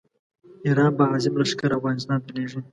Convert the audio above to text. ایران به عظیم لښکر افغانستان ته لېږي.